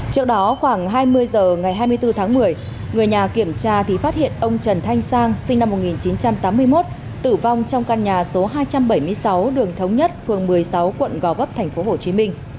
trước đó khoảng hai mươi h ngày hai mươi bốn tháng một mươi người nhà kiểm tra thì phát hiện ông trần thanh sang sinh năm một nghìn chín trăm tám mươi một tử vong trong căn nhà số hai trăm bảy mươi sáu đường thống nhất phường một mươi sáu quận gò vấp tp hcm